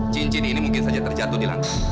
cincin ini mungkin saja terjatuh di langit